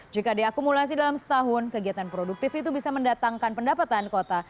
jika diakumulasi dalam setahun kegiatan produktif itu bisa mendatangkan pendapatan kota